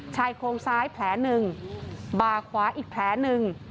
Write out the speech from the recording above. ชายโครงซ้ายแผลหนึ่งบาขวาอีกแผลหนึ่ง